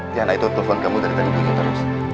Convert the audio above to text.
tiana itu telpon kamu dari tadi dia terus